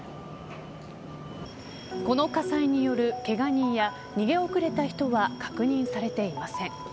この火災によるけが人や逃げ遅れた人は確認されていません。